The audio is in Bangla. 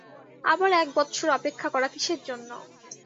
আবার এক বৎসর অপেক্ষা করা কিসের জন্য?